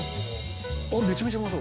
あっめちゃめちゃうまそう。